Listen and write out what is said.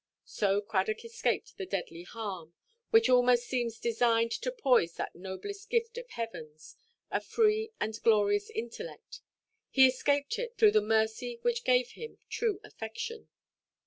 So Cradock escaped the deadly harm, which almost seems designed to poise that noblest gift of Heaven—a free and glorious intellect—he escaped it through the mercy which gave him true affection.